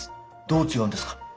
どう違うんですか？